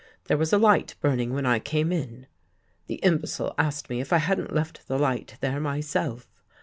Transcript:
There was a light burning when I came in.' The imbecile asked me if I hadn't left the light there my self.